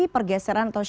pergeseran atau shift